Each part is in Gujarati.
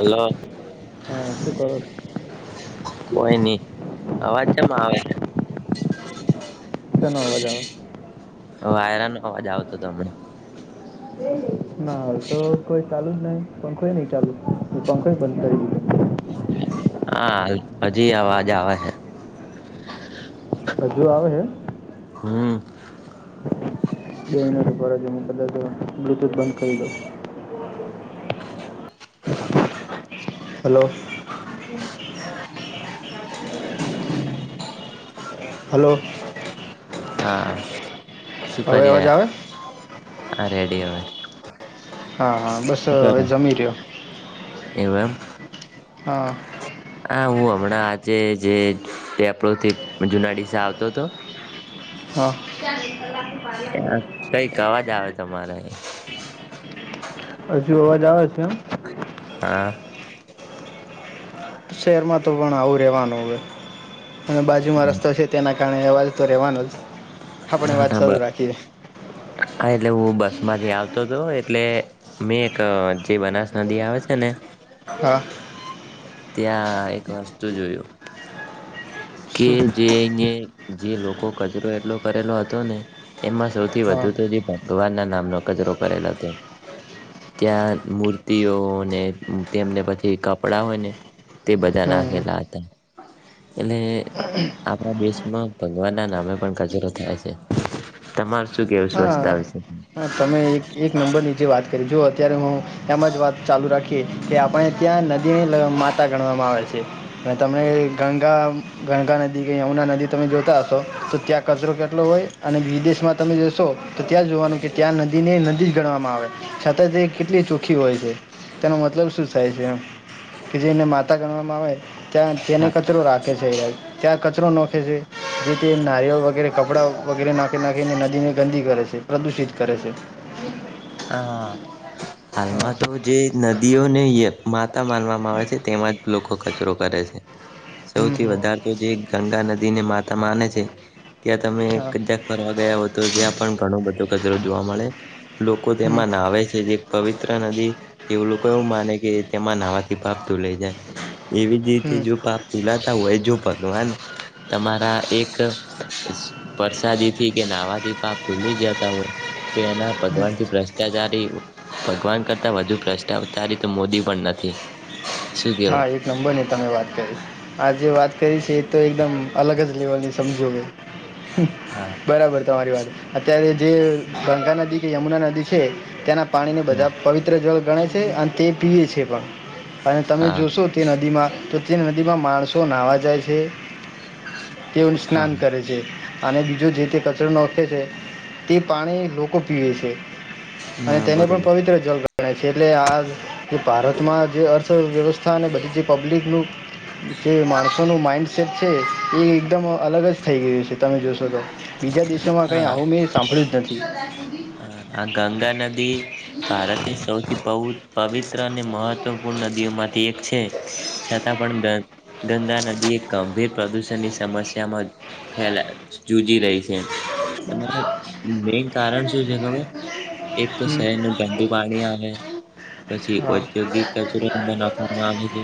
હલો, હા શું કરો છો? કોઈ નહીં, અવાજ ચેમા આવે છે [inaudible] શે નો અવાજ આવે છે વાયરાનો અવાજ આવતો હતો હમને ના હવે તો કોઈ ચાલુ જ નહી પણંખોઈ નહી ચાલુ પંખોઈ બંધ કરી દીધું હા હજી અવાજ આવે હે હજુ આવે હે [inaudible] પેહલે તો બ્લુટુથ બંધ કરી દો હલો હલો હા શું હવે કરી અવાજ આવે રહ્યા હા રેડી આવે હા હા બસ હવે જમી રહ્યો એવું એમ હા હા હું હમણાં આજે જેે દેપો થી જુનાઢડીસા આવતો હતો હા કઈ અવાજ આવે તમારે હજુ અવાજ આવે છે એમ હા શેરમાં તો પણ આવું રેવાનું હવે અને બાજુમાં રસ્તો છે તેના કારણે અવાજ તો રહેવાનો જ આપણે ના વાત ના સાલુ બસ રાખીએે હા એટલે હું બસ માંથી આવતો હતો એટલે મેં એક જે બનાસ નદી આવે છે ને હા ત્યાં એક વસ્તુ જોયું કે શું જે [unintelligible] જે લોકો કચરો એટલો કરેલો હતો ને એમાં સૌથી હા વધુ તો જે ભગવાન ના નામનો કચરો કરેલો હતો ત્યાં મૂર્તિઓને તેમને પછી કપડા હોય ને તે બધા હમ હમ લાખેલા હતા એટલે આપણા દેશમાં ભગવાન ના નામે પણ કચરો થાય છે તમાર શું કેવું સ્વચ્છતા હા વીશે હા તમે એક એક નંબર ની જેે વાત કરી જો અત્યારે હું એમ જ વાત ચાલુ રાખીએ કે આપણે ત્યાં નદીની માતા ગણવામાં આવે છે. અને તમને ગંગા ગંગા નદી કે યમુના નદી તમે જોતા હશો તો ત્યાં કચરો કેટલો હોય અને વિદેશમાં તમે જોશો તો ત્યાં જોવાનું કે ત્યાં નદીને નદી જ ગણવામાં આવે છતાં તે કેટલી ચોખ્ખી હોય છે તેનો મતલબ શું થાય છે કે જેને માતા ગણવામાં આવે ત્યાં તેને હા કચરો રાખે છે. કયા કચરો નોખે છે. જેથી નારિયેલ વગેરે કપડાં વગેરે નાખી નાખીને નદી ને ગંદી કરે છે પ્રદૂષિત કરે છે. હા હા હાલમાં તો જે નદીઓને માતા માનવામાં આવે છે તેમાં જ લોકો કચરો કરે છે હમ સૌથી હમ વધારે તો જે ગંગા નદીને માતા માને છે ત્યાં તમે [unintelligible] હા કરવા ગયા હવ તો ત્યાં પણ ઘણો બધો કચરો જોવા મળે લોકો હમ તેમાં નાહવે છે જે એક પવિત્ર નદી એ લોકો એવું માને કે તેમાં નાવાથી પાપ ધૂલાઈ જાય એવી જ રીતે હમ જો પાપ ધૂલાતા હોય જો ભગવાન તમારા એક પરસાદીથી કે નાહવાથી પાપ ધૂલી જતા હોય તો એના ભગવાનથી ભ્રષ્ટાચારી ભગવાન કરતા વધુ ભ્રષ્ટાચારી તો મોદી પણ નથી. શું હા કેવું એક નંબર ની તમે વાત કરી આ જે વાત કરી છે એ તો એકદમ અલગ જ તે હજી સમજો હા બરાબર તમારી વાત અત્યારે જે ગંગા નદી કે યમુના નદી છે તેના પાણીને બધા પવિત્ર જળ ગણે છે અને તે પીએ છે પણ અને તમે હા જો તે નદીમાં તો તે નદીમાં માણસો નાવા જાય છે. તેવો ન હા સ્નાન હા. કરે છે. અને બીજો જે તે કચરો નાખે છે તે પાણી લોકો પીવે છે અને ના તેને પણ બરોબર. પવિત્ર જલ પણ છે એટલે આ જે ભારતમાં જે અર્થવ્યવસ્થા થા અને બધી જે પબ્લિકનું જે માણસોનું માઇન્ડસેટ છે એ એકદમ અલગ જ થઈ ગયું છે તમે જોશો તો બીજા દેશોમાં કઈ હા આવું મેં સાંભળ્યું જ નથી ભારત ની સૌથી પઉ પવિત્ર મહત્વપૂર્ણ નદીઓમાંથી એક છે છતાં પણ ગંદા નદી એ ગંભીર પ્રદૂષણની સમસ્યામાં ફલા રહી છે તમારે મેન કારણ શું છે ખબર એક તો હમ. શેહર નું ગંદુ પાણી આવે પછી હા ઔદ્યોગિક કચરો એમાં નખાવામાં આવે છે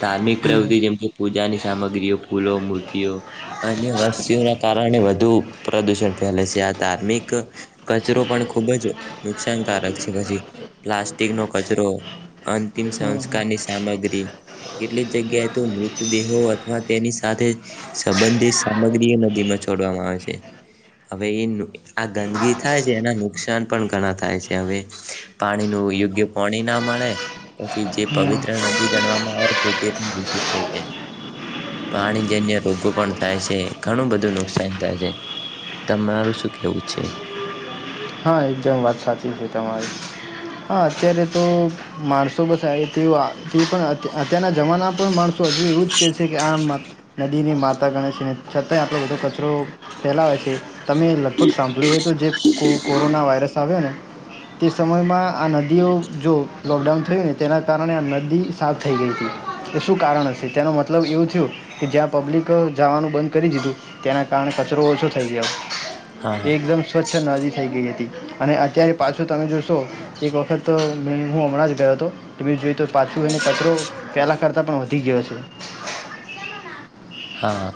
ધાર્મિક હમ પ્રવૃતિ જેમકે પૂજાની સામગ્રીઓ ફૂલો મૂર્તિઓ અને વસ્તીઓના કારણે વધૂ પ્રદૂષણ ફેલે છે આ ધાર્મિક કચરો પણ ખૂબ જ નુકસાનકારક છે પછી પ્લાસ્ટિકનો કચરો અંતિમ હમ સંસ્કારની હમ સામગ્રી કેટલીક જગ્યાએ તો મૃતદેહો અથવા તેની સાથે સંબંધિત સામગ્રીઓ નદીમાં છોડવામાં આવે છે હવે એ આ ગંદગી થાય છે એના નુકસાન પણ ઘણા થાય છે હવે પાણીનું યોગ્ય પાણી ના મળે પછી જે પવિત્ર હમ નદી ગણવામાં આવે છે તે પણ દૂષિત થાય છે પાણીજન્ય રોગો પણ થાય છે ઘણું બધું નુકસાન થાય છે તમારું શું કેવું છે? હા એકદમ વાત સાચી છે તમારી હા અત્યારે તો માણસો બસ પણ અત્યારના જમાના પણ માણસો હજી એવુંજ કે છે કે આમ નદીને માતા માતા ગણે છે અને છતાં આપણે બધો કચરો કો ફેલાવે છે તમે લગભગ સાંભળ્યું હોય તો જે કો કોરોના વાયરસ આવ્યા ને તે સમયમાં આ નદીઓ જો લોકડાઉન થયું ને તેના કારણે આ નદી સાફ થઈ ગઈ હતી એ શું કારણ હશે તેનો મતલબ એવું થયો કે જ્યાં પબ્લિક જવાનું બંધ કરી દીધું તેના કારણે કચરો ઓછો થઈ ગયો હા હા એકદમ સ્વચ્છ નદી ગય હતી અને અત્યારે પાછું તમે જોશો એક વખત હું હમણાં જ ગયો હતો જોઈ તો પાછું એને કચરો પેલા કરતા પણ વધી ગયો છે. હા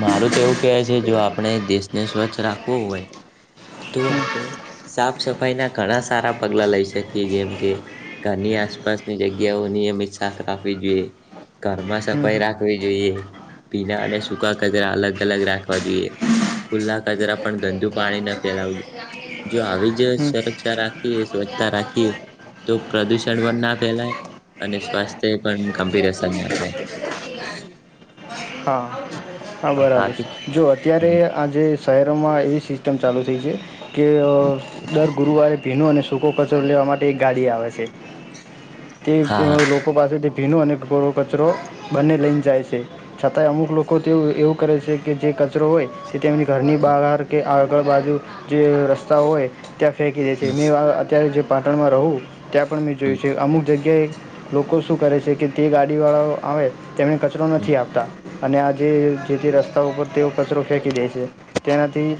મારું તો એવું કહેવાય છે જો આપણે દેશને સ્વચ્છ રાખવું હોય તો હમ આપડે સાફ સફાઈ ના ઘણા સારા પગલા લઈ શકીએ જેમ કે ઘરની આસપાસની જગ્યાઓ નિયમિત શાક રાખવી જોઈએ ઘરમાં હમ સફાઈ રાખવી જોઈએ ભીના અને સૂકા કચરા અલગ અલગ રાખવા જોઈએ ખુલ્લા કચરા પણ ગંદુ પાણી ના ફેલાવું જોઈએ જો આવી જ હમ સુરક્ષા રાખ સ્વચ્છતા રાખીએ તો પ્રદુષણ પણ ના ફેલાય અને સ્વાસ્થ્ય પણ ગંભીર અસર ન થાય હા હા બરાબર સાચી છે જો અત્યારે આજે શહેરોમાં એવી સિસ્ટમ છે ચાલુ થઈ છે કે દર ગુરુવારે ભીનો અને સૂ સૂકો કચોરો લેવા માટે એક ગાડી આવે છે તે અ હા હા લોકો પાસેથી ભીનો અને કોરો કચરો બંને લઈને જાય છે. છતાંય અમુક લોકો તેું એવું કરે છે કે જે કચરો હોય તે તેમની ઘરની બહાર કે આગળ બાજુ જે રસ્તા હોય ત્યાં ફેંકી દે છે મે અત્યારે જે પાટણમાં રહું ત્યાં પણ મેં જોયું છે અમુક જગ્યાએ લોકો શું કરે છે કે તે ગાડીવાળાઓ આવે તેમને કચરો નથી આપતા [inaudible] જે જે તે રસ્તા ઉપર તેઓ કચરો ફેંકી દે છે તેનાથી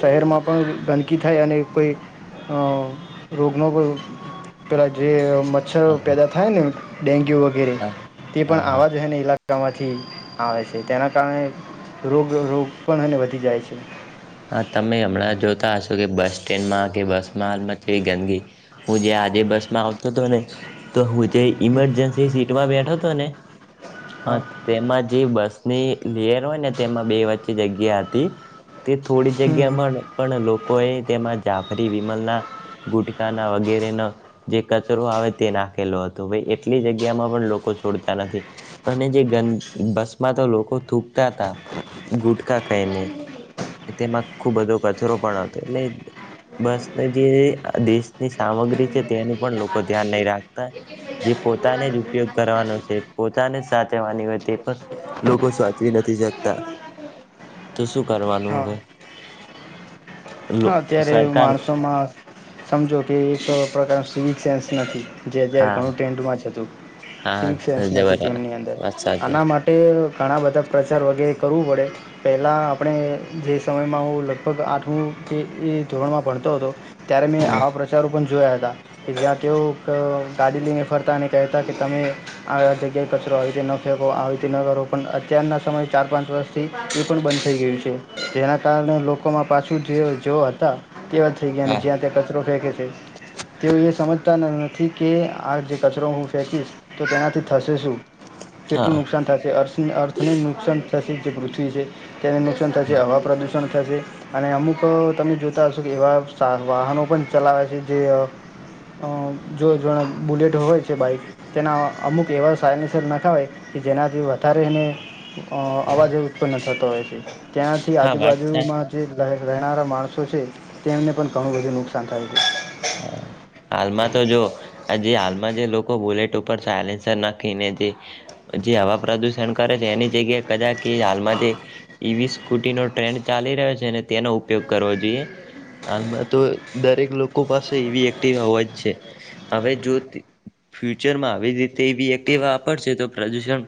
શહેરમાં પણ ગંદકી થાય અને કોઈ રોગનો પણ પેલાં જે મચ્છર હા પેદા થાય ને [inaudible] ડેન્ગ્યુ વગેરે તે પણ હા હા આવા જો ને ઈલા ત મા થી આવે છે તેના કારણે રોગ રોગ પણ અને ને વધી જાય છે. હા તમે હમણાં જોતા હશો કે બસ સ્ટેન્ડમાં કે બસ માં હાલમાં જેવી ગંદગી હું જે આજે બસ માં આવતો હતો ને તો હું જે ઇમરજેન્સી સીટમાં બેઠ તોને હા તેમાં જે બસ ની લેયર હોય ને તેમાં બે વચ્ચે જગ્યા હતી. તે થોડી હમ જગ્યામાં પણ લોકોએ તેમાં જાફરી વિમલના ગુટકાના વગેરે ના જે કચરો આવે તે નાખેલો હતો ભાઈ એટલી જગ્યામાં પણ લોકો છોડતા નથી અને જે ગં બસ માં તો લોકો થૂકતા હતા. ગુટકા ખાઈને. તેમાં ખુબ બધો કચરો પણ હતો એટલે બસ જે અ દેશની સામગ્રી છે તેનું પણ લોકો ધ્યાન નહી રાખતા જે પોતાને જ ઉપયોગ કરવાનો છે પોતાને જ સાચવાની તે પણ લોકો સાચવી નથી જતા તો શું કરવાનું. હા ને હા અત્યારે માણસોમાં સમજો કે એક પ્રકાસ વિચાસ નથી. જે અત્યારે હા ઘણું ટ્રેન્ડમાં જતું હા સિનસેન્સ નથી જબર તેમની અંદર વાત સાચી આના માટે ઘણા બધા પ્રચાર વગેર કરવું પડે પહેલાં આપણે જે સમયમાં હું લગભગ આઠ [unintelligible] કે એ ધોરણમાં ભણતો હતો. ત્યારે મેં આવા પ્રચારો પણ જોયા હતા કે જ્યાં તેઓ ક ગાડી લઈને ફરતા અને કહેતા કે તમે આ જગ્યાએ કચરો આવી રીતે ન ફેંકો આવી રીતે ન કરો પણ અત્યારના સમય ચાર પાંચ વર્ષથી એ પણ બંધ થઈ ગયું છે જેના કારણે લોકોમાં પાછું તેવો જો હતા. તેવા થઈ ગયા અને હા જ્યાં ત્યાં કચરો ફેંકે છે તેવું એ સમજતા ના થી કે આ જે કચરો હું ફેંકીશ તો તેનાથી થશે શું કેટલું હા નુકસાન થશે [unintelligible] અર્થ ની નુકસાન [unintelligible] પૃથ્વી જે તેને નુકસાન થશે હવા પ્રદુષણ [unintelligible] થશે અને અમુક તો તમે જોતા હશો કે એવા સા વાહનો પણ ચલાવે છે જે અ જો જો બુલેટ હોય છે બાઈક તેના અમુક એવા [unintelligible] [unintelligible] ના ખા હોય કે જેનાથી વધારે એને અ આવાજ ઉત્પન્ન થતો હો છે. ત્યાંથી હા વાત સાચ આજુબાજુમાં જે લહે રહેનારા માણસો છે તેમને પણ ઘણું બધું નુકસાન થાયું. હમ. હાલમાં તો જો આ જે હાલમાં જે લોકો બુલેટ ઉપર સાયલેન્સર નાખીને જે જે હવા પ્રદુષણ કરે છે એની જગ્યાએ કદાચ હાલમાં જે ઈવી સ્કૂટીનો ટ્રેન્ડ ચાલી રહ્યો છે તેનો ઉપયોગ કરવો જોઈએ હાલમાં તો દરેક લોકો લોકો પાસે ઈવી એક્ટિવા હોવા જ છે હવે જો ફ્યુચરમાં આવી જ રીતે ઈવી એક્ટિવા વાપરશે તો પ્રદૂષણ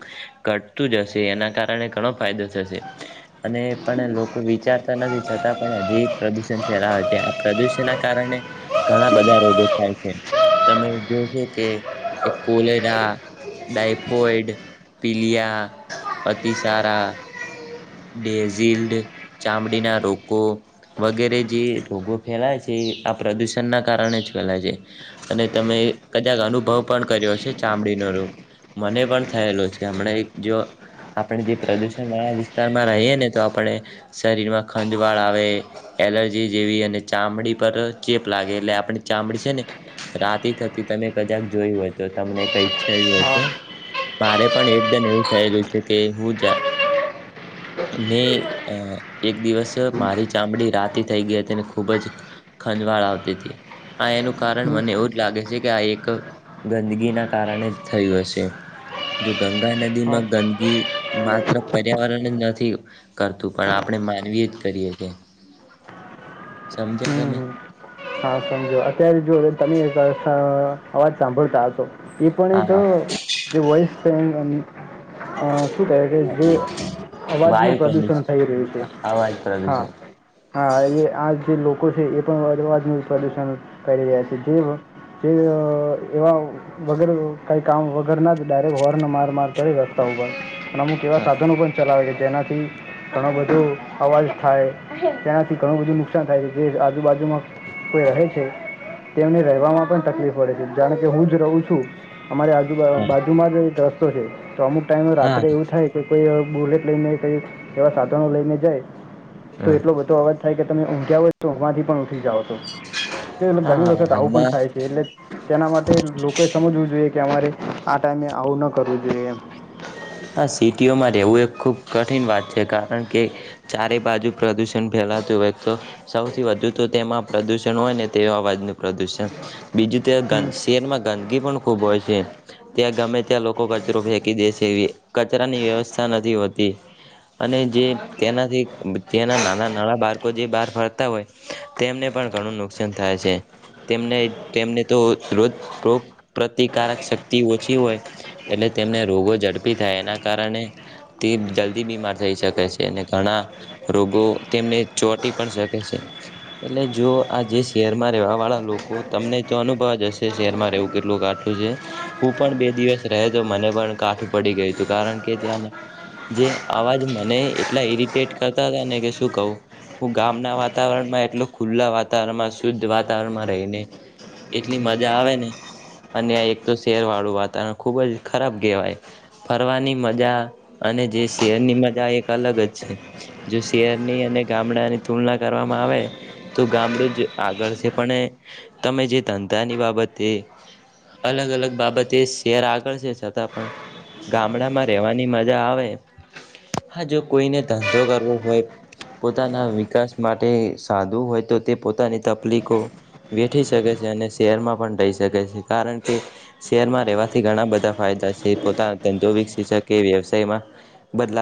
ઘટતું જ હશે એના કારણે ઘણો ફાયદો થશે અને પણ લોકો વિચારતા નથી છતાં પણ હજી પ્રદૂષણ ફેલાવે છે આ પ્રદૂષણના કારણે ઘણા બધા રોગો થાય છે તમે જોશો કે કોલેરા ડાયફોઈડ પીલિયા અતિસારા ડેઝડ ચામડીના રોકો વગેરે જે રોગો ફેલાય છે પ્રદૂષણના કારણે જ ફેલાય છે અને તમે કદાચ અનુભવ પણ કર્યો છે ચામડીનો રોગ મને પણ થયેલો છે હમણાં જો આપણે જે પ્રદૂષણવાળ વિસ્તારમાં રહીએ ને તો આપણે શરીરમાં ખંજવાળ આવે એલર્જી જેવી અને ચામડી પર ચેપ લાગે એટલે આપણી ચામડી છે ને રાતી થતી તમે કજાક જોયું હો તો તમને કઈ ઈચ્છું હા તો મારે પણ એકદમ એવું થયેલું છે કે હું જા મેં અ એક દિવસ મારી ચામડી રાતી થઈ ગઈ હતી ખૂબ જ ખંજવાળ આવતી આ એનું કારણ હું મને એવું જ લાગે છે કે આ એક ગંદગી ના કારણે જ થયું હશે જો ગંગા હા નદીમાં ગંદગકી માત્ર પર્યાવરણ જ નથી કરતું પણ આપણે માનવી જ કરીએ હમ સમજ્યા તમે હમ હા સમજો અત્યારે જુઓ તમે એક અવાજ સાંભળતા હશો એ પણ હા એક હા જે વોસ અ શુ કહે છેજે હા. અવાજનું પ્રદુષણ થઈ રહ્યું છે અવાજ હા પ્રદુષણ હા એ આ જે છે એ પણવા [unintelligible] પ્રદૂષણ કરી રહ્યા છે જે એવા વગર કઈ કામ વગરના જ ડાયરેક્ટ હોર્ન માર માર કરી રસ્તા ઉપર નમ કે એવા હા સાધન બી પણ ચલા વે છે તેનાથી ઘણો બધો અવાજ થાય તેનાથી ઘણું બધું નુકસાન થાય જે આજુબાજુમાં કોઈ રહે છે તેમને રહેવામાં પણ તકલીફ પડે છે જાણ કે હું જ રહું છું. અમારે હા આજુબાજુમાં જ એક ટ્રસ્ટ છે તો અમુક ટાઈમ હા રાત્રે એવું થાય કે કોઈ બુલેટ લઈને કઈ એવા સાધનો લઈને જાય તો હા એટલો બધો અવાજ થાય કે તમે ઊંઘ્યા હોય તો ઊંઘમાંથી પણ ઉઠી જાઓ તો હા ઘણી વખત હા, આવું પણ આમાં થાય છે એટલે તેના માટે લોકોએ સમજવું જોઈએ કે અમારે આ ટાઈમે આવું ના કરવું જોઈએ એમ. હા સિટીઓમાં રહેવું એક ખુબ કઠિન વાત છે કાર કારણ કે ચારે બાજુ પ્રદુષણ ફેલાતું હોય તો સૌથી વધુ તો તેમાં પ્રદુષણ હોય ને તે અવાજનું પ્રદુષણ બીજું તે ગ હમ શેરમાં ગંદકી પણ ખૂબ હોય છે. ત્યાં ગમે ત્યાં લોકો કચરો ફેંકી દેેશ જેવી કચરાની વ્યવસ્થા નથી હોતી અને જે તેનાથી જેના નાના નાના બાળકો જે બહાર ફરતા હોય તેમને પણ ઘણું નુકસાન થાય છે તેમને તેમને તો રોજ રોગ પ્રતિકારક શક્તિ ઓછી હોય એટલે તેમને રોગો ઝડપ થાય એના કારણે તે જલ્દી બીમાર થઈ શકે છે અને ઘણા રોગો તેમને ચોટી પણ શકે છે એટલે જો આ જે શહેરમાં રહેવા વાળા લોકો તમને તો અનુભવ જ હશે શહેરમાં રહેવું કેટલું કાઠું છે હું પણ બે દિવસ રહે તો મને પણ કાઠું પડી ગય કારણ કે ત્યાં જે અવાજ મને એટલા ઈરિટેટ કરતા હતા ને કે શું કહું હું ગામના વાતાવરણમાં એટલા ખુલ્લા વાતાવરણમાં શુદ્ધ વાતાવરણમાં રહીને એટલી મજા આવે ને અને એક તો શેર વાળું વાતાવરણ ખુબ જ ખરાબ કહેવાય ફરવાની મજા અને જે શેરની મજા એક અલગ જ છે જો શેરની અને ગામડાની તુલના કરવામાં આવે તો ગામડું જ આગળ છે પણ તમે જે ધંધાની બાબતે અલગ અલગ બાબતે શેર આગળ છે છતાં પણ ગામડામાં રહેવાની મજા આવે હા જો કોઈને ધંધો કરવો હોય પોતાના વિકાસ માટે સાધવું હોય તો તે પોતાની તકલીફો વેઠી શકે છે અને શહેરમાં પણ રહી શકે છે કારણ કે શહેરમાં રહેવાથી ઘણા બધા ફાયદા છે પોતાના ધ વિકસી શકે વ્યવસાય માં બદલા